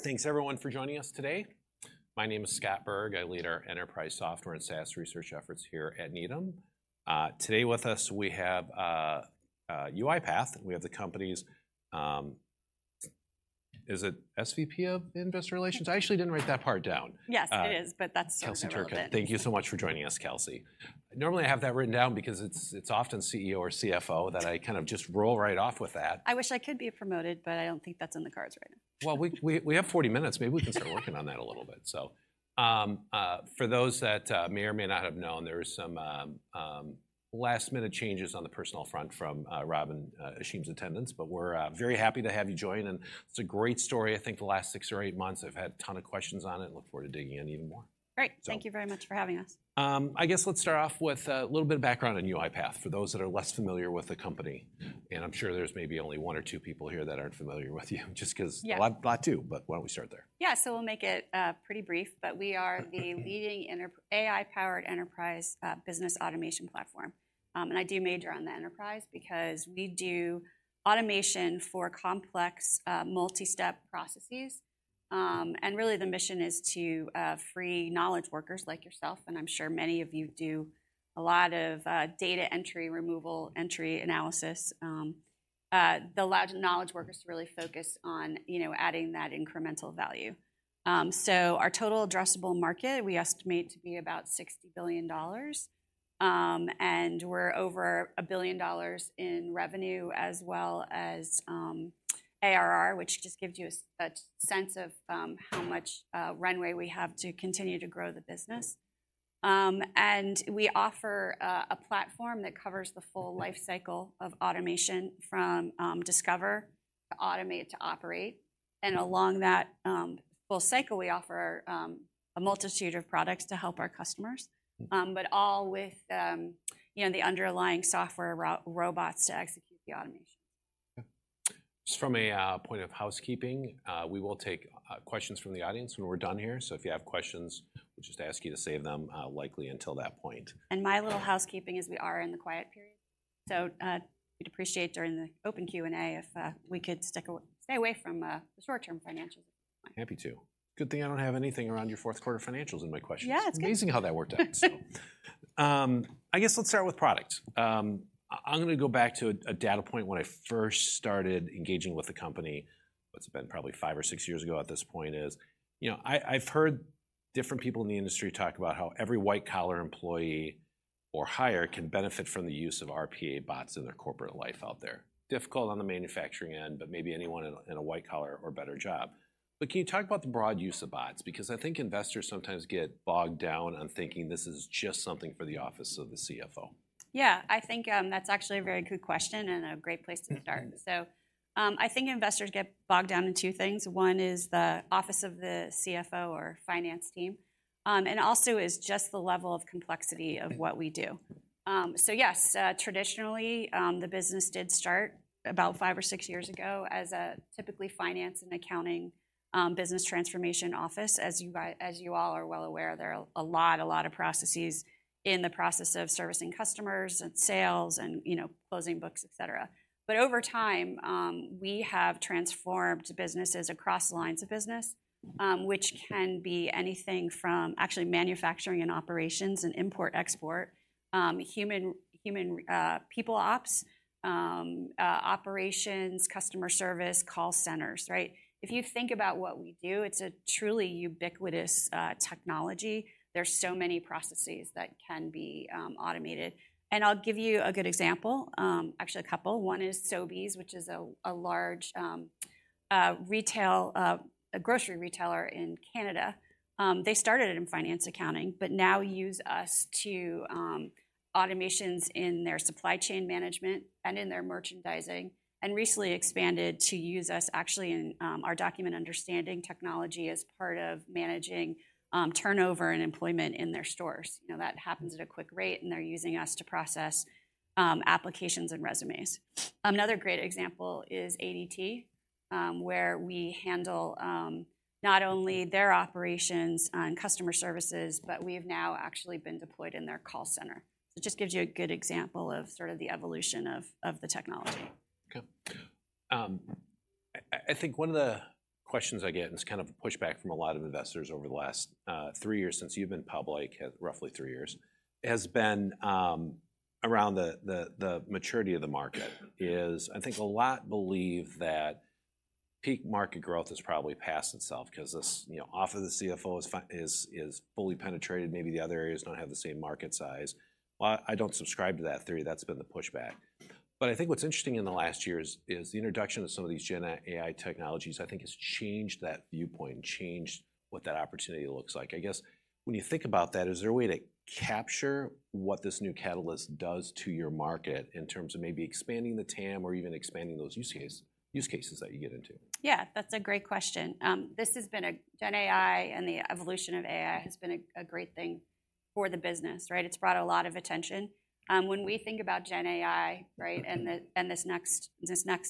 Thanks everyone for joining us today. My name is Scott Berg. I lead our enterprise software and SaaS research efforts here at Needham. Today with us, we have UiPath. We have the company's, is it SVP of Investor Relations? I actually didn't write that part down. Yes, it is, but that's sort of irrelevant. Kelsey Turcotte. Thank you so much for joining us, Kelsey. Normally, I have that written down because it's, it's often CEO or CFO that I kind of just roll right off with that. I wish I could be promoted, but I don't think that's in the cards right now. Well, we have 40 minutes. Maybe we can start working on that a little bit. So, for those that may or may not have known, there is some last-minute changes on the personal front from Rob and Ashim's attendance, but we're very happy to have you join, and it's a great story. I think the last six or eight months, I've had a ton of questions on it and look forward to digging in even more. Great! So- Thank you very much for having us. I guess let's start off with a little bit of background on UiPath for those that are less familiar with the company, and I'm sure there's maybe only one or two people here that aren't familiar with you, just because- Yeah. Well, I'd like two, but why don't we start there? Yeah. So we'll make it, pretty brief, but we are- Okay The leading enterprise AI-powered business automation platform. And I do major on the enterprise because we do automation for complex, multi-step processes. And really, the mission is to free knowledge workers like yourself, and I'm sure many of you do a lot of data entry, removal, entry analysis. They allow the knowledge workers to really focus on, you know, adding that incremental value. So our total addressable market, we estimate to be about $60 billion, and we're over $1 billion in revenue as well as ARR, which just gives you a sense of how much runway we have to continue to grow the business. We offer a platform that covers the full life cycle of automation, from discover to automate to operate, and along that full cycle, we offer a multitude of products to help our customers. But all with, you know, the underlying software robots to execute the automation. Okay. Just from a point of housekeeping, we will take questions from the audience when we're done here. If you have questions, we just ask you to save them, likely until that point. My little housekeeping is we are in the quiet period, so we'd appreciate during the open Q&A if we could stay away from the short-term financial point. Happy to. Good thing I don't have anything around your Q4 financials in my questions. Yeah, it's good. Amazing how that worked out. So, I guess let's start with product. I'm going to go back to a data point when I first started engaging with the company. What's it been? Probably five or six years ago at this point you know, I've heard different people in the industry talk about how every white-collar employee or higher can benefit from the use of RPA bots in their corporate life out there. Difficult on the manufacturing end, but maybe anyone in a white-collar or better job. But can you talk about the broad use of bots? Because I think investors sometimes get bogged down on thinking this is just something for the office of the CFO. Yeah, I think, that's actually a very good question and a great place to start. Mm-hmm. I think investors get bogged down in two things. One is the office of the CFO or finance team, and also is just the level of complexity of what we do. Yes, traditionally, the business did start about five or six years ago as a typically finance and accounting, business transformation office. As you all are well aware, there are a lot, a lot of processes in the process of servicing customers and sales and, you know, closing books, et cetera. But over time, we have transformed businesses across lines of business, which can be anything from actually manufacturing and operations and import-export, people ops, operations, customer service, call centers, right? If you think about what we do, it's a truly ubiquitous technology. There are so many processes that can be automated, and I'll give you a good example. Actually, a couple. One is Sobeys, which is a large retail grocery retailer in Canada. They started in finance accounting, but now use us to automations in their supply chain management and in their merchandising, and recently expanded to use us actually in our Document Understanding technology as part of managing turnover and employment in their stores. You know that happens at a quick rate, and they're using us to process applications and resumes. Another great example is ADT, where we handle not only their operations on customer services, but we've now actually been deployed in their call center. So just gives you a good example of sort of the evolution of the technology. Okay. I think one of the questions I get, and it's kind of a pushback from a lot of investors over the last three years since you've been public, roughly three years, has been around the maturity of the market. I think a lot believe that peak market growth has probably passed itself because this, you know, office of the CFO is fully penetrated, maybe the other areas don't have the same market size. Well, I don't subscribe to that theory. That's been the pushback. But I think what's interesting in the last year is the introduction of some of these Gen AI technologies. I think has changed that viewpoint and changed what that opportunity looks like. I guess, when you think about that, is there a way to capture what this new catalyst does to your market in terms of maybe expanding the TAM or even expanding those use case, use cases that you get into? Yeah, that's a great question. This has been a Gen AI and the evolution of AI has been a great thing for the business, right? It's brought a lot of attention. When we think about Gen AI, right, and this next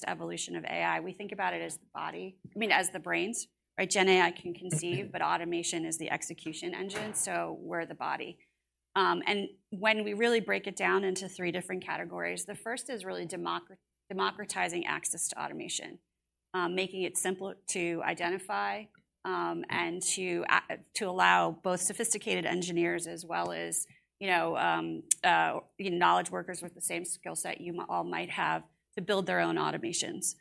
evolution of AI, we think about it as the body, I mean, as the brains, right? Gen AI can conceive, but automation is the execution engine, so we're the body. And when we really break it down into three different categories, the first is really democratizing access to automation. Making it simpler to identify and to allow both sophisticated engineers as well as you know, knowledge workers with the same skill set you all might have, to build their own automations.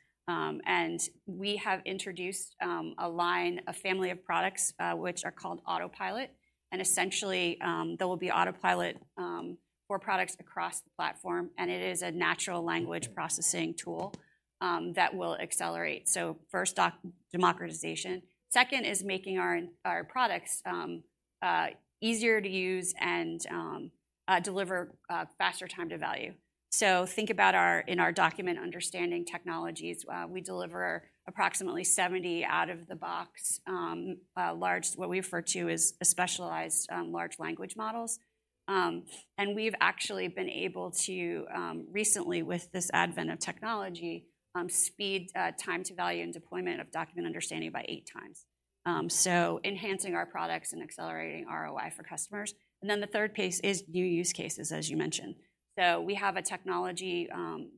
We have introduced a line, a family of products which are called Autopilot. And essentially, there will be Autopilot for products across the platform, and it is a natural language processing tool that will accelerate. So first, democratization. Second is making our products easier to use and deliver faster time to value. So think about in our Document Understanding technologies, we deliver approximately 70 out-of-the-box large, what we refer to as a specialized large language models. And we've actually been able to recently, with this advent of technology, speed time to value and deployment of Document Understanding by 8 times. So enhancing our products and accelerating ROI for customers. And then the third piece is new use cases, as you mentioned. So we have a technology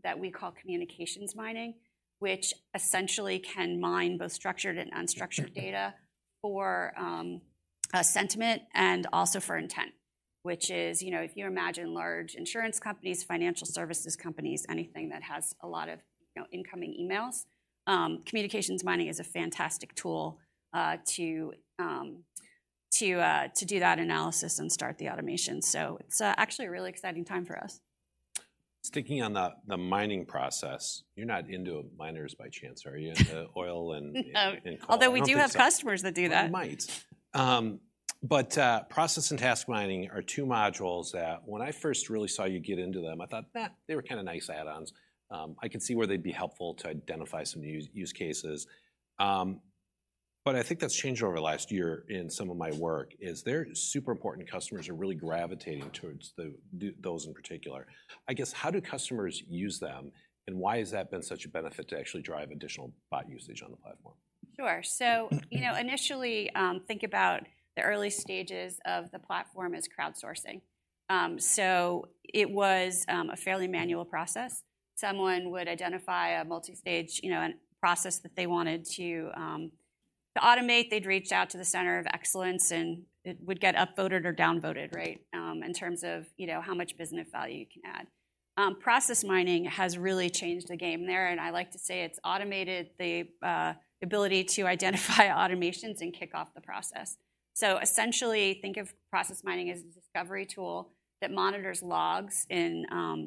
that we call Communications Mining, which essentially can mine both structured and unstructured data for sentiment and also for intent, which is you know, if you imagine large insurance companies, financial services companies, anything that has a lot of, you know, incoming emails, Communications Mining is a fantastic tool to do that analysis and start the automation. So it's actually a really exciting time for us. Sticking on the mining process, you're not into miners by chance, are you? Into oil and- No- -and coal. Although we do have customers that do that. Well, you might. Process and Task Mining are two modules that when I first really saw you get into them, I thought, "Eh, they were kind of nice add-ons. I could see where they'd be helpful to identify some use cases." But I think that's changed over the last year in some of my work, is they're super important, customers are really gravitating towards them do those in particular. I guess, how do customers use them, and why has that been such a benefit to actually drive additional bot usage on the platform? Sure. You know, initially, think about the early stages of the platform as crowdsourcing. It was a fairly manual process. Someone would identify a multi-stage, you know, a process that they wanted to automate. They'd reach out to the Center of Excellence, and it would get upvoted or downvoted, right? In terms of, you know, how much business value you can add. Process Mining has really changed the game there, and I like to say it's automated the ability to identify automations and kick off the process. So essentially, think of Process Mining as a discovery tool that monitors logs in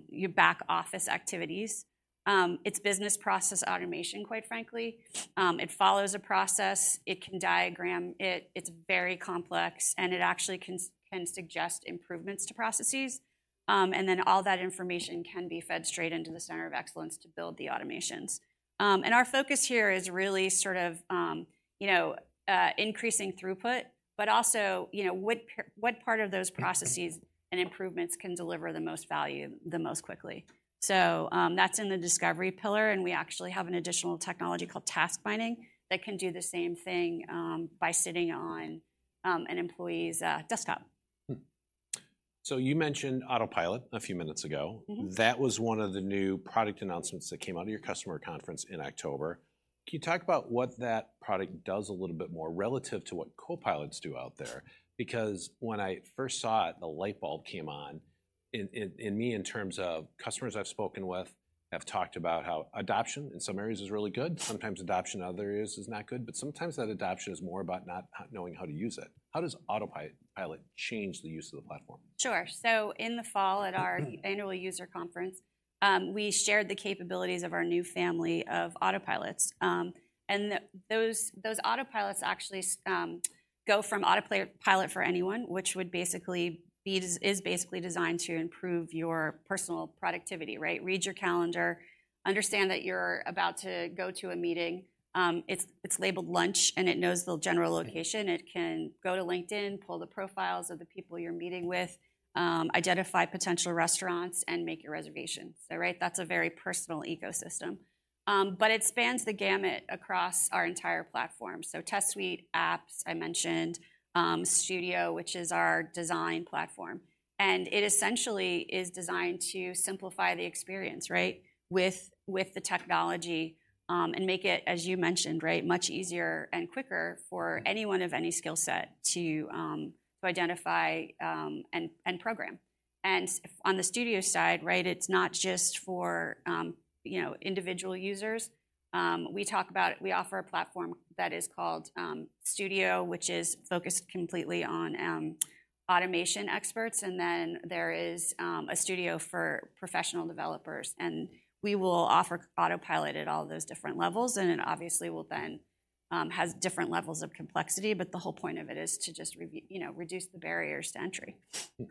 your back office activities. It's business process automation, quite frankly. It follows a process. It can diagram it. It's very complex, and it actually can suggest improvements to processes. And then all that information can be fed straight into the Center of Excellence to build the automations. And our focus here is really sort of, you know, increasing throughput, but also, you know, what part of those processes and improvements can deliver the most value the most quickly? So, that's in the discovery pillar, and we actually have an additional technology called Task Mining that can do the same thing by sitting on an employee's desktop. Hmm. So you mentioned Autopilot a few minutes ago. Mm-hmm. That was one of the new product announcements that came out of your customer conference in October. Can you talk about what that product does a little bit more relative to what copilots do out there? Because when I first saw it, the light bulb came on in me in terms of customers I've spoken with have talked about how adoption in some areas is really good. Sometimes adoption in other areas is not good, but sometimes that adoption is more about not knowing how to use it. How does Autopilot, Pilot change the use of the platform? Sure. So in the fall, at our annual user conference, we shared the capabilities of our new family of Autopilots. And those Autopilots actually go from Autopilot for Everyone, which is basically designed to improve your personal productivity, right? Read your calendar, understand that you're about to go to a meeting. It's labeled lunch, and it knows the general location. It can go to LinkedIn, pull the profiles of the people you're meeting with, identify potential restaurants, and make your reservations. So right, that's a very personal ecosystem. But it spans the gamut across our entire platform. So Test Suite, Apps I mentioned, Studio, which is our design platform, and it essentially is designed to simplify the experience, right? With the technology and make it, as you mentioned, right, much easier and quicker for anyone of any skill set to identify and program. And on the Studio side, right, it's not just for, you know, individual users. We offer a platform that is called Studio, which is focused completely on automation experts, and then there is a Studio for professional developers. And we will offer Autopilot at all those different levels, and it obviously will then has different levels of complexity, but the whole point of it is to just you know, reduce the barriers to entry. Your,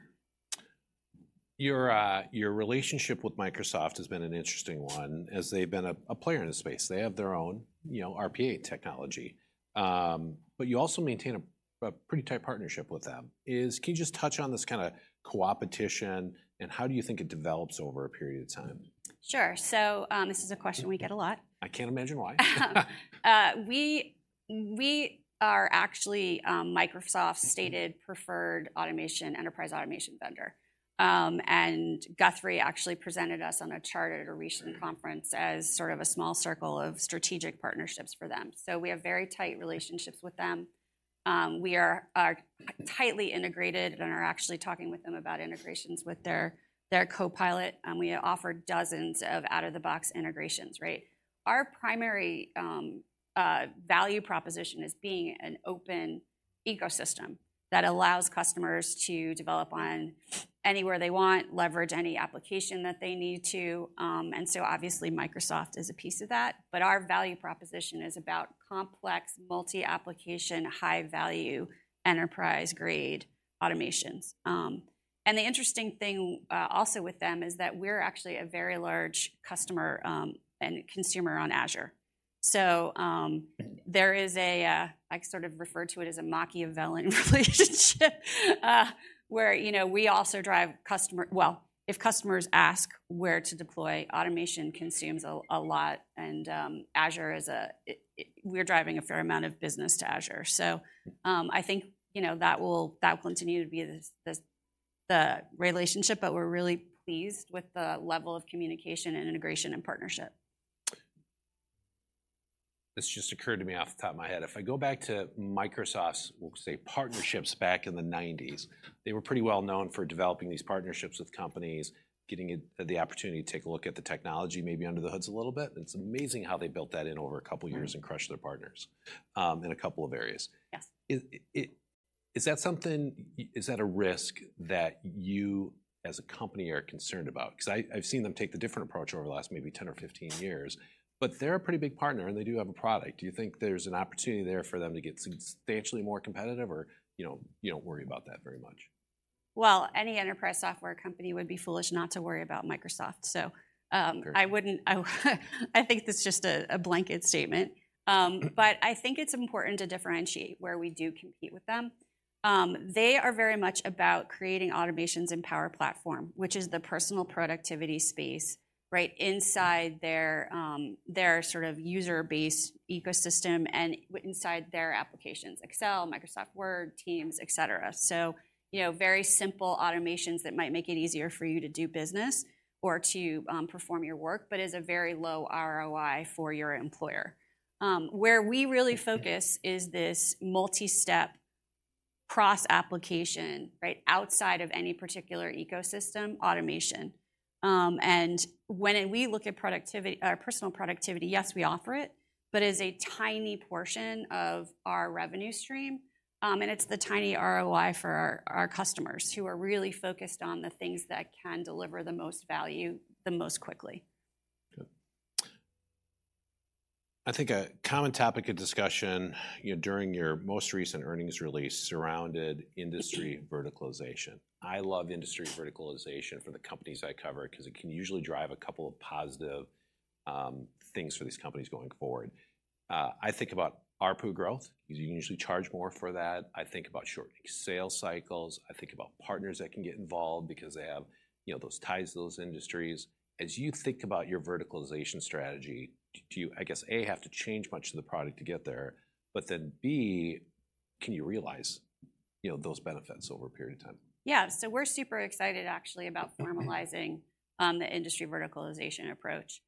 your relationship with Microsoft has been an interesting one, as they've been a player in the space. They have their own, you know, RPA technology. But you also maintain a pretty tight partnership with them. Can you just touch on this kind of coopetition, and how do you think it develops over a period of time? Sure. So, this is a question we get a lot. I can't imagine why. We are actually Microsoft's stated preferred automation, enterprise automation vendor. And Guthrie actually presented us on a chart at a recent conference as sort of a small circle of strategic partnerships for them. So we have very tight relationships with them. We are tightly integrated and are actually talking with them about integrations with their Copilot, and we offer dozens of out-of-the-box integrations, right? Our primary value proposition is being an open ecosystem that allows customers to develop on anywhere they want, leverage any application that they need to, and so obviously, Microsoft is a piece of that. But our value proposition is about complex, multi-application, high-value, enterprise-grade automations. And the interesting thing also with them is that we're actually a very large customer and consumer on Azure. So, there is a—I sort of refer to it as a Machiavellian relationship, where, you know, we also drive customer—Well, if customers ask where to deploy, automation consumes a lot, and Azure is a—it, it—we're driving a fair amount of business to Azure. So, I think, you know, that will continue to be the relationship, but we're really pleased with the level of communication and integration and partnership. This just occurred to me off the top of my head. If I go back to Microsoft's, we'll say, partnerships back in the 90's, they were pretty well known for developing these partnerships with companies, getting the opportunity to take a look at the technology, maybe under the hoods a little bit. And it's amazing how they built that in over a couple years- Mm-hmm... and crushed their partners, in a couple of areas. Yes. Is that a risk that you, as a company, are concerned about? 'Cause I, I've seen them take the different approach over the last maybe 10 or 15 years, but they're a pretty big partner, and they do have a product. Do you think there's an opportunity there for them to get substantially more competitive, or, you know, you don't worry about that very much? Well, any enterprise software company would be foolish not to worry about Microsoft. So, Sure... I wouldn't. I think that's just a blanket statement. Mm-hmm... but I think it's important to differentiate where we do compete with them. They are very much about creating automations in Power Platform, which is the personal productivity space, right inside their, their sort of user base ecosystem and inside their applications, Excel, Microsoft Word, Teams, et cetera. So, you know, very simple automations that might make it easier for you to do business or to, perform your work, but is a very low ROI for your employer. Where we really focus is this multi-step cross-application, right, outside of any particular ecosystem, automation. And when we look at productivity, or personal productivity, yes, we offer it, but it is a tiny portion of our revenue stream, and it's the tiny ROI for our, our customers, who are really focused on the things that can deliver the most value the most quickly. Okay. I think a common topic of discussion, you know, during your most recent earnings release, surrounded industry verticalization. I love industry verticalization for the companies I cover 'cause it can usually drive a couple of positive things for these companies going forward. I think about ARPU growth, 'cause you can usually charge more for that. I think about shortening sales cycles. I think about partners that can get involved because they have, you know, those ties to those industries. As you think about your verticalization strategy, do you, I guess, A, have to change much of the product to get there, but then, B, can you realize, you know, those benefits over a period of time? Yeah. So we're super excited, actually, about formalizing the industry verticalization approach.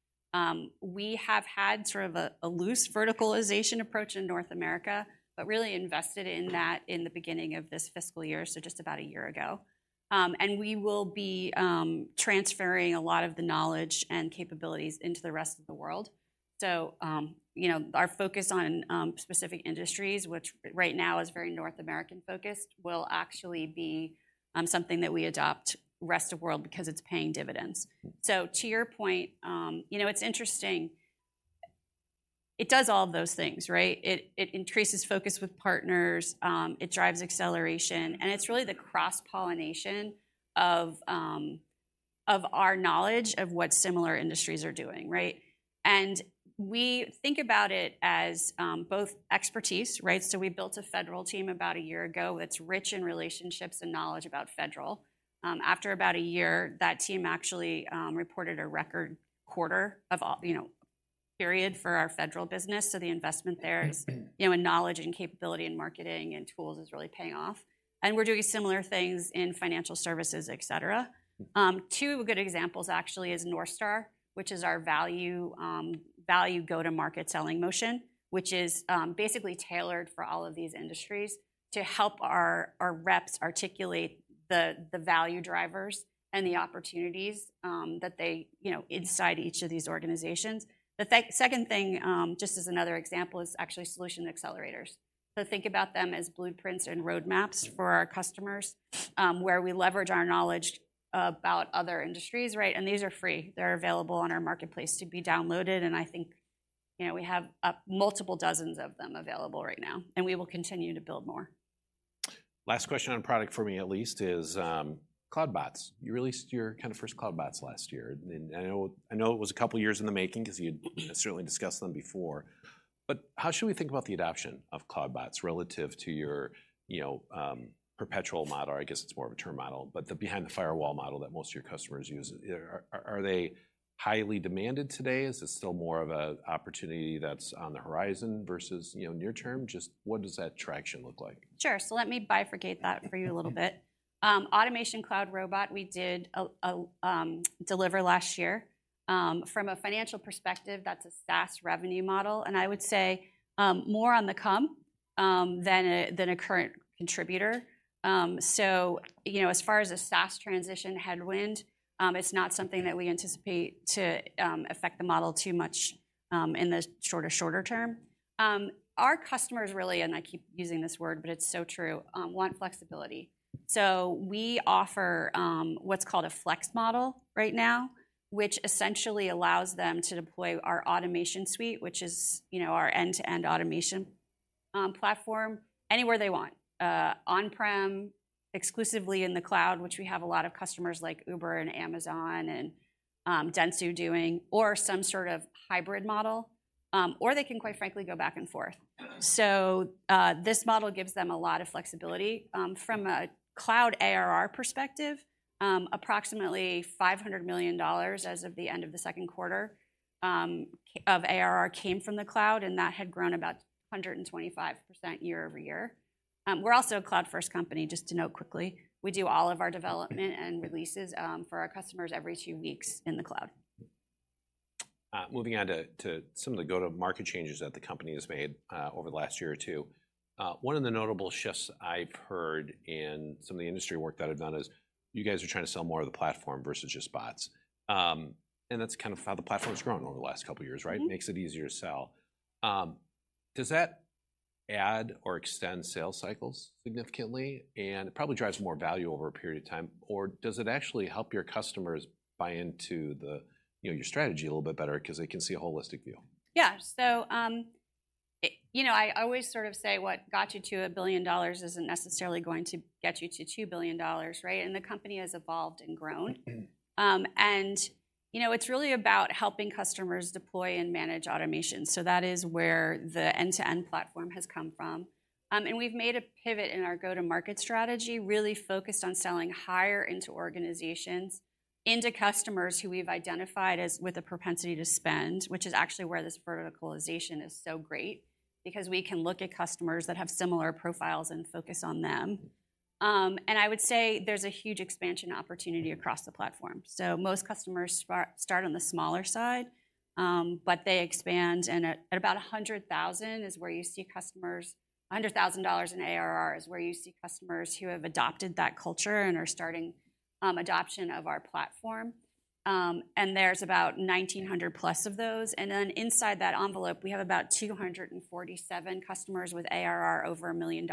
We have had sort of a loose verticalization approach in North America, but really invested in that in the beginning of this fiscal year, so just about a year ago. And we will be transferring a lot of the knowledge and capabilities into the rest of the world. So, you know, our focus on specific industries, which right now is very North American focused, will actually be something that we adopt rest of world because it's paying dividends. So to your point, you know, it's interesting, it does all of those things, right? It increases focus with partners, it drives acceleration, and it's really the cross-pollination of our knowledge of what similar industries are doing, right? We think about it as both expertise, right? So we built a federal team about a year ago that's rich in relationships and knowledge about federal. After about a year, that team actually reported a record quarter of all, you know, period for our federal business. So the investment there is- Mm-hmm... you know, in knowledge and capability and marketing and tools is really paying off, and we're doing similar things in financial services, et cetera. Two good examples actually is NorthStar, which is our value, value go-to-market selling motion, which is, basically tailored for all of these industries to help our, our reps articulate the, the value drivers and the opportunities, that they, you know, inside each of these organizations. The second thing, just as another example, is actually Solution Accelerators. So think about them as blueprints and roadmaps for our customers, where we leverage our knowledge about other industries, right? And these are free. They're available on our marketplace to be downloaded, and I think, you know, we have, multiple dozens of them available right now, and we will continue to build more. Last question on product for me at least is, cloud bots. You released your kind of first cloud bots last year, and I know it was a couple years in the making 'cause you'd certainly discussed them before. But how should we think about the adoption of cloud bots relative to your, you know, perpetual model, or I guess it's more of a term model, but the behind the firewall model that most of your customers use? Are they highly demanded today? Is this still more of an opportunity that's on the horizon versus, you know, near term? Just what does that traction look like? Sure, so let me bifurcate that for you a little bit. Automation Cloud Robot, we did a deliver last year. From a financial perspective, that's a SaaS revenue model, and I would say more on the come than a current contributor. So you know, as far as SaaS transition headwind, it's not something that we anticipate to affect the model too much in the shorter term. Our customers really, and I keep using this word, but it's so true, want flexibility. So we offer what's called a Flex Model right now, which essentially allows them to deploy our automation suite, which is you know, our end-to-end automation platform, anywhere they want. On-prem, exclusively in the cloud, which we have a lot of customers like Uber and Amazon and, Dentsu doing, or some sort of hybrid model. Or they can quite frankly, go back and forth. So, this model gives them a lot of flexibility. From a cloud ARR perspective, approximately $500 million as of the end of the second quarter, of ARR came from the cloud, and that had grown about 125% year-over-year. We're also a cloud-first company, just to note quickly. We do all of our development- Mm-hmm. and releases for our customers every two weeks in the cloud. Moving on to some of the go-to-market changes that the company has made over the last year or two. One of the notable shifts I've heard in some of the industry work that I've done is you guys are trying to sell more of the platform versus just bots. That's kind of how the platform's grown over the last couple of years, right? Mm-hmm. Makes it easier to sell. Does that add or extend sales cycles significantly? And it probably drives more value over a period of time, or does it actually help your customers buy into theyou know, your strategy a little bit better because they can see a holistic view? Yeah. So you know, I always sort of say, what got you to $1 billion isn't necessarily going to get you to $2 billion, right? And the company has evolved and grown. Mm-hmm. You know, it's really about helping customers deploy and manage automation. So that is where the end-to-end platform has come from. We've made a pivot in our go-to-market strategy, really focused on selling higher into organizations, into customers who we've identified as with a propensity to spend, which is actually where this verticalization is so great because we can look at customers that have similar profiles and focus on them. I would say there's a huge expansion opportunity across the platform. So most customers start on the smaller side, but they expand, and at about $100,000 in ARR is where you see customers who have adopted that culture and are starting adoption of our platform. And there's about 1,900+ of those, and then inside that envelope, we have about 247 customers with ARR over $1 million.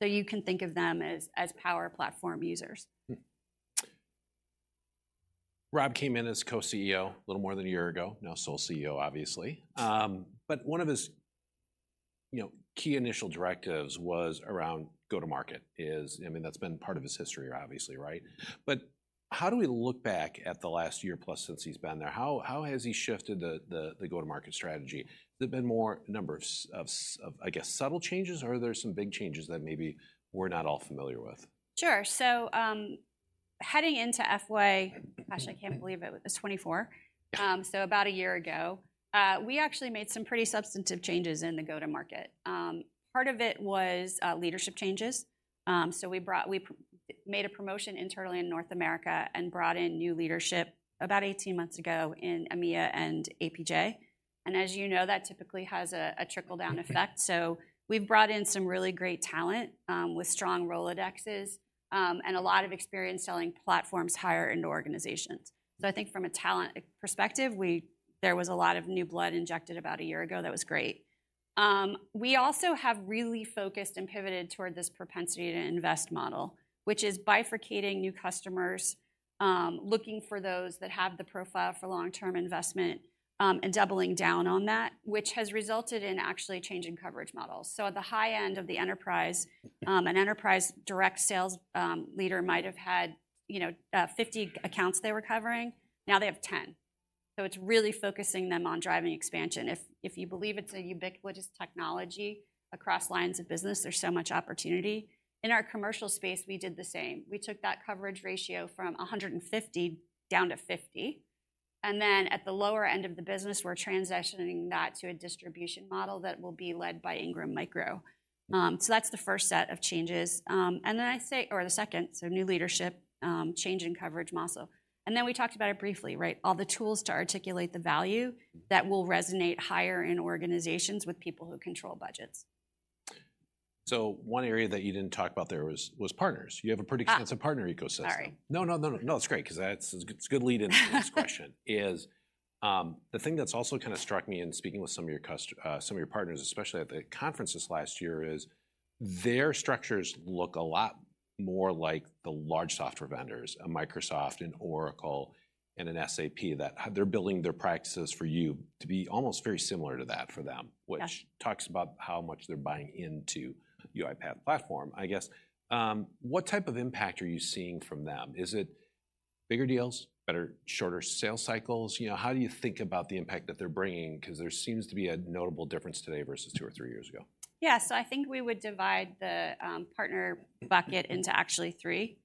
So you can think of them as, as Power Platform users. Hmm. Rob came in as Co-CEO a little more than a year ago, now sole CEO, obviously. Yes. But one of his, you know, key initial directives was around go-to-market. I mean, that's been part of his history, obviously, right? But how do we look back at the last year-plus since he's been there? How has he shifted the go-to-market strategy? There've been more numbers of, I guess, subtle changes, or are there some big changes that maybe we're not all familiar with? Sure. So, heading into FY 2024. Gosh, I can't believe it was 2024. Yeah. So about a year ago, we actually made some pretty substantive changes in the go-to-market. Part of it was, leadership changes. So we made a promotion internally in North America and brought in new leadership about 18 months ago in EMEA and APJ. And as you know, that typically has a trickle-down effect. Mm-hmm. So we've brought in some really great talent, with strong Rolodexes, and a lot of experience selling platforms higher into organizations. So I think from a talent perspective, there was a lot of new blood injected about a year ago. That was great. We also have really focused and pivoted toward this propensity to invest model, which is bifurcating new customers, looking for those that have the profile for long-term investment, and doubling down on that, which has resulted in actually a change in coverage models. So at the high end of the enterprise, an enterprise direct sales leader might have had, you know, 50 accounts they were covering. Now they have 10. So it's really focusing them on driving expansion. If you believe it's a ubiquitous technology across lines of business, there's so much opportunity. In our commercial space, we did the same. We took that coverage ratio from 150 down to 50, and then at the lower end of the business, we're transitioning that to a distribution model that will be led by Ingram Micro. Mm-hmm. That's the first set of changes. Then I say, or the second, so new leadership, change in coverage model. Then we talked about it briefly, right? All the tools to articulate the value- Mm-hmm... that will resonate higher in organizations with people who control budgets. So one area that you didn't talk about there was partners. You have a pretty- Ah... extensive partner ecosystem. Sorry. No, no, no, no, it's great, 'cause that's, it's a good lead into the next question. Is, the thing that's also kind of struck me in speaking with some of your partners, especially at the conferences last year, is their structures look a lot more like the large software vendors, a Microsoft, an Oracle, and an SAP. That they're building their practices for you to be almost very similar to that for them- Yeah... which talks about how much they're buying into UiPath Platform. I guess, what type of impact are you seeing from them? Is it bigger deals, better, shorter sales cycles? You know, how do you think about the impact that they're bringing? 'Cause there seems to be a notable difference today versus two or three years ago. Yeah, so I think we would divide the partner bucket- Mm-hmm... into actually three.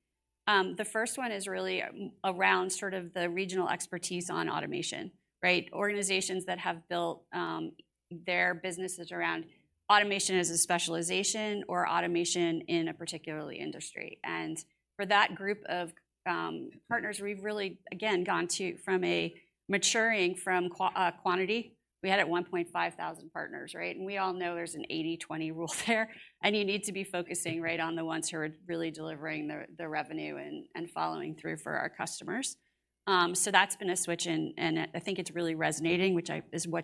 The first one is really around sort of the regional expertise on automation, right? Organizations that have built their businesses around automation as a specialization or automation in a particular industry. And for that group of partners, we've really, again, gone to from a maturing from quantity. We had at one point 5,000 partners, right? And we all know there's an 80-20 rule there, and you need to be focusing right on the ones who are really delivering the revenue and following through for our customers. So that's been a switch, and I think it's really resonating, which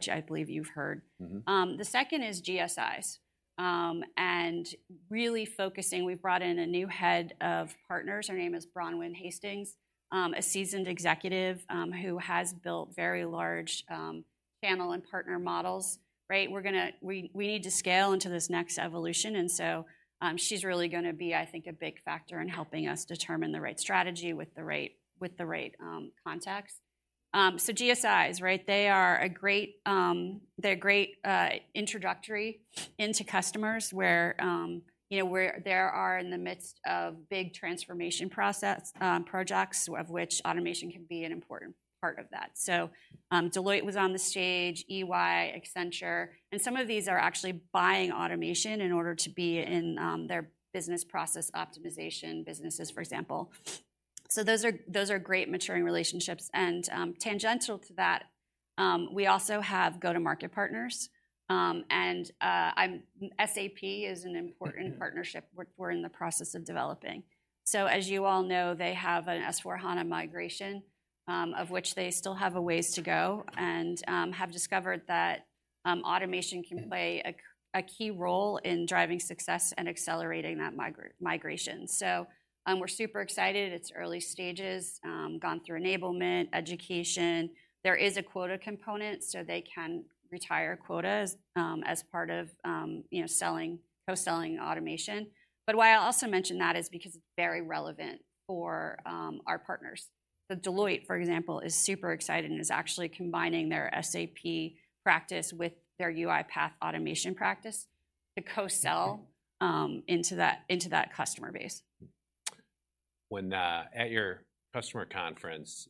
I believe you've heard. Mm-hmm. The second is GSIs. And really focusing, we've brought in a new head of partners. Her name is Bronwyn Hastings, a seasoned executive, who has built very large, channel and partner models, right? We're gonna—we need to scale into this next evolution, and so, she's really gonna be, I think, a big factor in helping us determine the right strategy with the right, with the right, contacts. So GSIs, right? They are a great, they're a great, introductory into customers where, you know, where there are in the midst of big transformation process, projects, of which automation can be an important part of that. So, Deloitte was on the stage, EY, Accenture, and some of these are actually buying automation in order to be in, their business process optimization businesses, for example. Those are, those are great maturing relationships, and, tangential to that, we also have go-to-market partners. I'm-- SAP is an important- Mm-hmm. partnership we're in the process of developing. So as you all know, they have an S/4HANA migration, of which they still have a ways to go and, have discovered that, automation can play a key role in driving success and accelerating that migration. So, we're super excited. It's early stages, gone through enablement, education. There is a quota component, so they can retire quotas, as part of, you know, selling, co-selling automation. But why I also mention that is because it's very relevant for, our partners. So Deloitte, for example, is super excited and is actually combining their SAP practice with their UiPath automation practice to co-sell- Okay. - into that, into that customer base. When at your customer conference,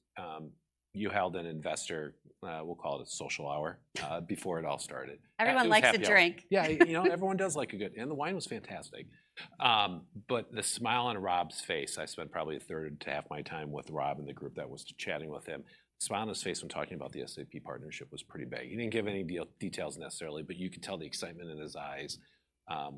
you held an investor, we'll call it a social hour, before it all started. Everyone likes a drink. Yeah, you know, everyone does like a good... And the wine was fantastic. But the smile on Rob's face, I spent probably a third to half my time with Rob and the group that was chatting with him. The smile on his face when talking about the SAP partnership was pretty big. He didn't give any details necessarily, but you could tell the excitement in his eyes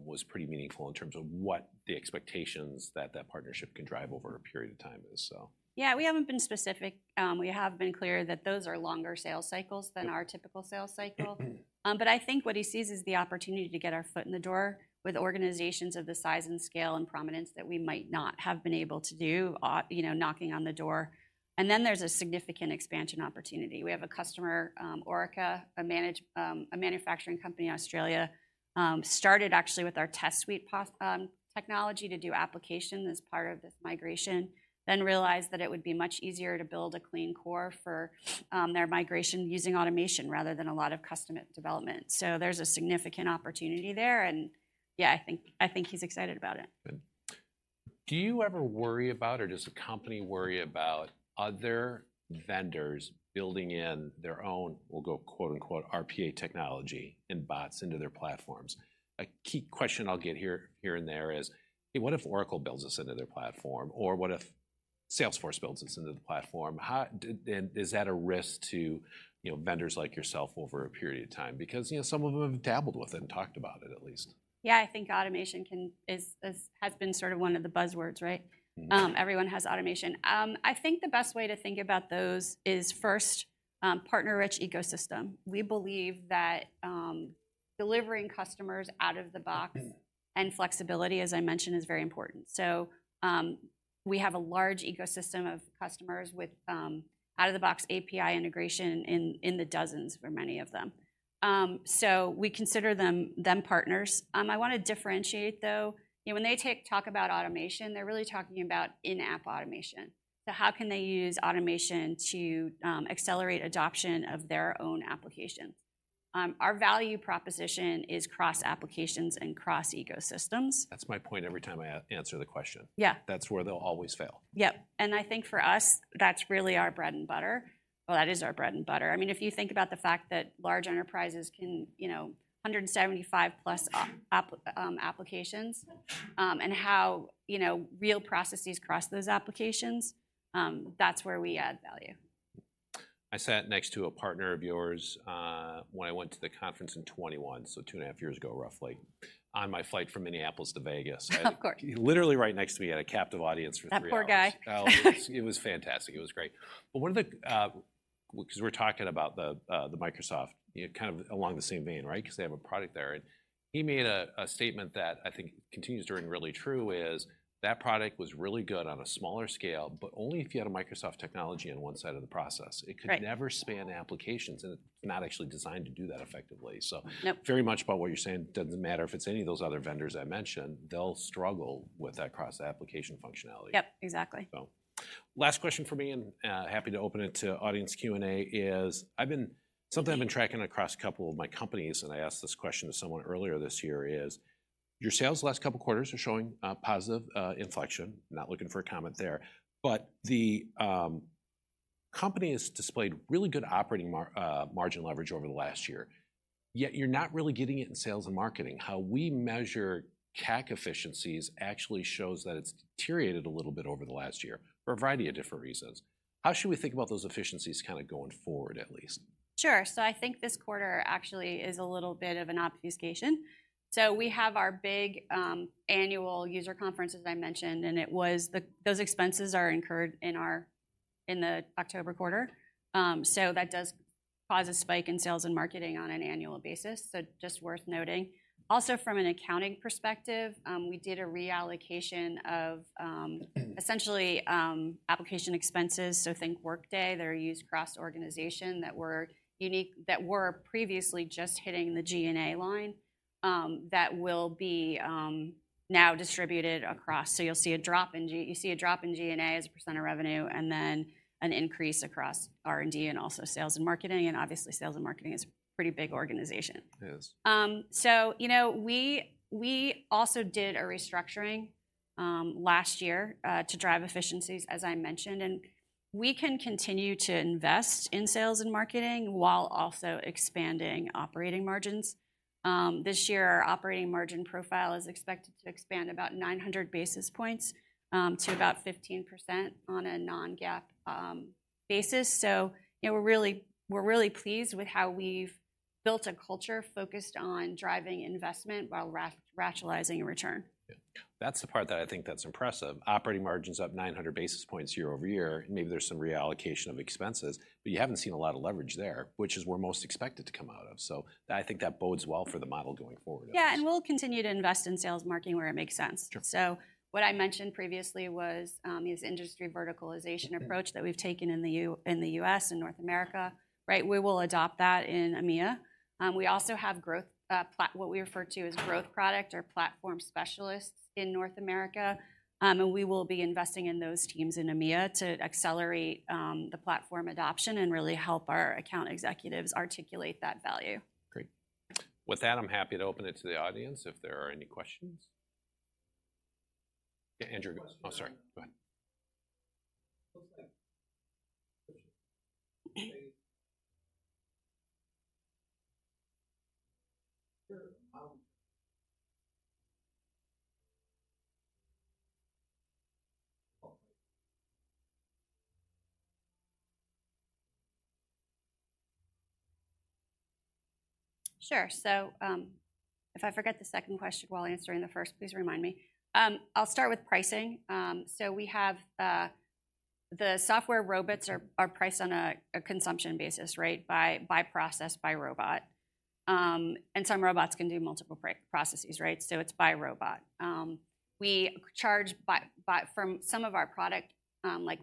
was pretty meaningful in terms of what the expectations that that partnership can drive over a period of time is, so. Yeah, we haven't been specific. We have been clear that those are longer sales cycles than our typical sales cycle. Mm-hmm. But I think what he sees is the opportunity to get our foot in the door with organizations of the size and scale and prominence that we might not have been able to do, you know, knocking on the door. And then there's a significant expansion opportunity. We have a customer, Orica, a manufacturing company in Australia, started actually with our Test Suite technology to do application testing as part of this migration, then realized that it would be much easier to build a clean core for their migration using automation rather than a lot of custom development. So there's a significant opportunity there, and yeah, I think, I think he's excited about it. Good. Do you ever worry about, or does the company worry about other vendors building in their own, we'll go, quote, unquote, "RPA technology" and bots into their platforms? A key question I'll get here and there is: Hey, what if Oracle builds this into their platform? Or what if Salesforce builds this into the platform? How and is that a risk to, you know, vendors like yourself over a period of time? Because, you know, some of them have dabbled with it and talked about it at least. Yeah, I think automation can, is, has been sort of one of the buzzwords, right? Mm-hmm. Everyone has automation. I think the best way to think about those is first, partner-rich ecosystem. We believe that, delivering customers out of the box- Mm-hmm. and flexibility, as I mentioned, is very important. So, we have a large ecosystem of customers with out-of-the-box API integration in the dozens for many of them. So we consider them them partners. I wanna differentiate, though. You know, when they talk about automation, they're really talking about in-app automation. So how can they use automation to accelerate adoption of their own application? Our value proposition is cross applications and cross ecosystems. That's my point every time I answer the question. Yeah. That's where they'll always fail. Yep, and I think for us, that's really our bread and butter. Well, that is our bread and butter. I mean, if you think about the fact that large enterprises can, you know, 175+ applications, and how, you know, real processes cross those applications, that's where we add value. I sat next to a partner of yours when I went to the conference in 2021, so two and a half years ago, roughly, on my flight from Minneapolis to Vegas. Of course. Literally right next to me, he had a captive audience for three hours. That poor guy. Oh, it was, it was fantastic. It was great. But one of the, 'cause we're talking about the, the Microsoft, you know, kind of along the same vein, right? 'Cause they have a product there, and he made a, a statement that I think continues to ring really true is: That product was really good on a smaller scale, but only if you had a Microsoft technology on one side of the process. Right. It could never span applications, and it's not actually designed to do that effectively. So- Nope... very much about what you're saying, doesn't matter if it's any of those other vendors I mentioned, they'll struggle with that cross-application functionality. Yep, exactly.... Last question for me, and happy to open it to audience Q&A, is something I've been tracking across a couple of my companies, and I asked this question to someone earlier this year: your sales the last couple quarters are showing positive inflection. Not looking for a comment there. But the company has displayed really good operating margin leverage over the last year, yet you're not really getting it in sales and marketing. How we measure CAC efficiencies actually shows that it's deteriorated a little bit over the last year for a variety of different reasons. How should we think about those efficiencies kinda going forward, at least? Sure. So I think this quarter actually is a little bit of an obfuscation. So we have our big, annual user conference, as I mentioned, and it was the—those expenses are incurred in our, in the October quarter. So that does cause a spike in sales and marketing on an annual basis, so just worth noting. Also, from an accounting perspective, we did a reallocation of, Mm-hmm... essentially, application expenses, so think Workday. They're used across the organization that were unique, that were previously just hitting the G&A line, that will be now distributed across. So you'll see a drop in G&A as a percent of revenue, and then an increase across R&D and also sales and marketing. And obviously, sales and marketing is a pretty big organization. It is. So, you know, we also did a restructuring last year to drive efficiencies, as I mentioned, and we can continue to invest in sales and marketing while also expanding operating margins. This year, our operating margin profile is expected to expand about 900 basis points to about 15% on a non-GAAP basis. So, you know, we're really, we're really pleased with how we've built a culture focused on driving investment while rationalizing a return. Yeah. That's the part that I think that's impressive. Operating margin's up 900 basis points year-over-year. Maybe there's some reallocation of expenses, but you haven't seen a lot of leverage there, which is where most expect it to come out of. So I think that bodes well for the model going forward. Yeah, and we'll continue to invest in sales and marketing where it makes sense. Sure. So what I mentioned previously was, this industry verticalization approach- Mm-hmm... that we've taken in the U.S., in the U.S. and North America, right? We will adopt that in EMEA. We also have growth, what we refer to as growth product or platform specialists in North America, and we will be investing in those teams in EMEA to accelerate the platform adoption and really help our account executives articulate that value. Great. With that, I'm happy to open it to the audience if there are any questions. Yeah, Andrew. Oh, sorry. Go ahead. Looks like a- Sure. So, if I forget the second question while answering the first, please remind me. I'll start with pricing. So we have, the software robots are priced on a consumption basis, right? By process, by robot. And some robots can do multiple processes, right? So it's by robot. We charge by from some of our product, like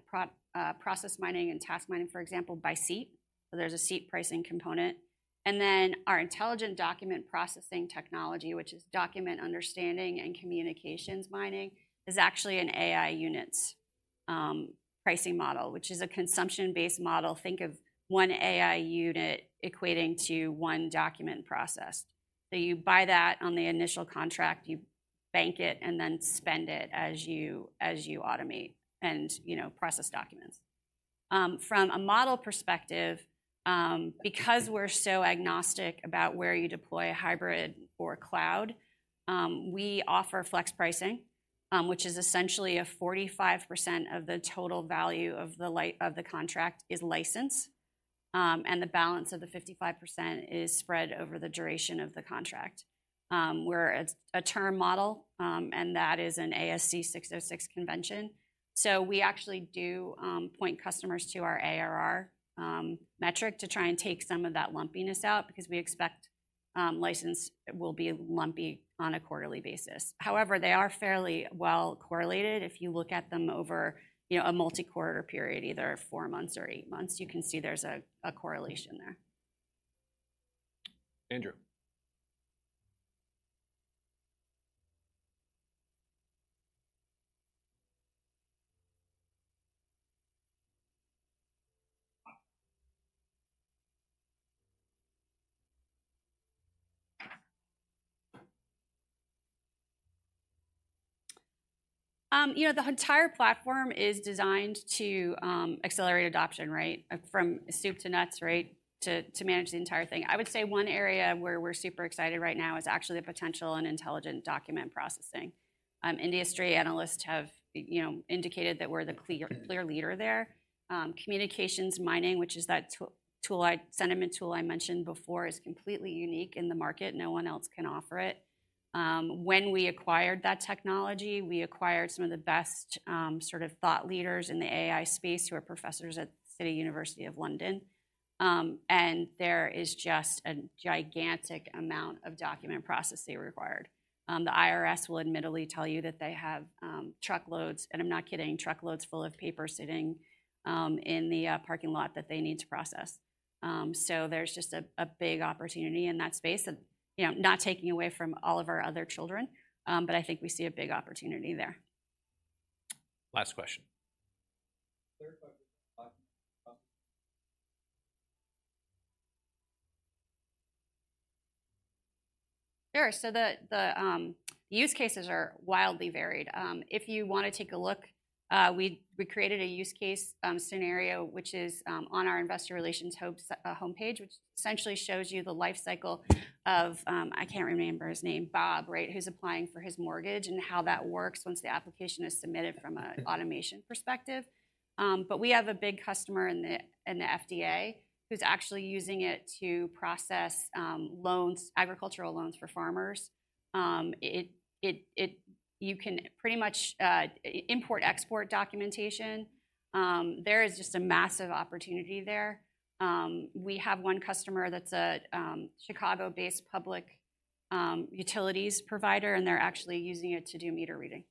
Process Mining and Task Mining, for example, by seat. So there's a seat pricing component. And then our intelligent document processing technology, which is Document Understanding and Communications Mining, is actually an AI Units pricing model, which is a consumption-based model. Think of one AI unit equating to one document processed. So you buy that on the initial contract, you bank it, and then spend it as you automate and, you know, process documents. From a model perspective, because we're so agnostic about where you deploy hybrid or cloud, we offer flex pricing, which is essentially 45% of the total value of the contract is license, and the balance of the 55% is spread over the duration of the contract. We're a term model, and that is an ASC 606 convention. So we actually do point customers to our ARR metric to try and take some of that lumpiness out because we expect license will be lumpy on a quarterly basis. However, they are fairly well correlated. If you look at them over, you know, a multi-quarter period, either four months or eight months, you can see there's a correlation there. Andrew? You know, the entire platform is designed to accelerate adoption, right? From soup to nuts, right, to manage the entire thing. I would say one area where we're super excited right now is actually the potential in intelligent document processing. Industry analysts have, you know, indicated that we're the clear leader there. Communications Mining, which is that tool, the sentiment tool I mentioned before, is completely unique in the market. No one else can offer it. When we acquired that technology, we acquired some of the best, sort of thought leaders in the AI space who are professors at City University of London. And there is just a gigantic amount of document processing required. The IRS will admittedly tell you that they have truckloads, and I'm not kidding, truckloads full of paper sitting in the parking lot that they need to process. So there's just a big opportunity in that space that, you know, not taking away from all of our other children, but I think we see a big opportunity there. Last question. Third question. Sure. So the use cases are wildly varied. If you want to take a look, we created a use case scenario, which is on our investor relations site's homepage, which essentially shows you the life cycle of, I can't remember his name, Bob, right, who's applying for his mortgage, and how that works once the application is submitted from an automation perspective. But we have a big customer in the FDA, who's actually using it to process loans, agricultural loans for farmers. You can pretty much import/export documentation. There is just a massive opportunity there. We have one customer that's a Chicago-based public utilities provider, and they're actually using it to do meter reading.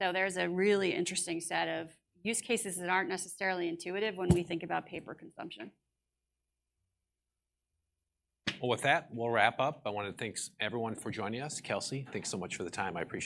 There's a really interesting set of use cases that aren't necessarily intuitive when we think about paper consumption. Well, with that, we'll wrap up. I want to thank everyone for joining us. Kelsey, thanks so much for the time. I appreciate it.